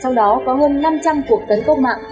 trong đó có hơn năm trăm linh cuộc tấn công mạng